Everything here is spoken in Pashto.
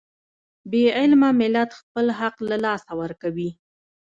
بې علمه ملت خپل حق له لاسه ورکوي.